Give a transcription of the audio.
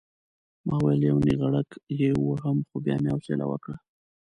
ما ویل یو نېغړک یې ووهم خو بیا مې حوصله وکړه.